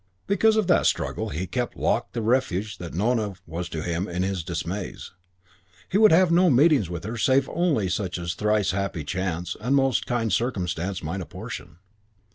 Because of that struggle he kept locked the refuge that Nona was to him in his dismays. He would have no meetings with her save only such as thrice happy chance and most kind circumstance might apportion.